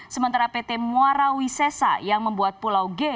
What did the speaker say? sementara pt muarawisesa yang membuat pulau g